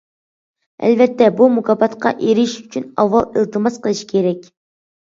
ئەلۋەتتە بۇ مۇكاپاتقا ئېرىشىش ئۈچۈن ئاۋۋال ئىلتىماس قىلىش كېرەك.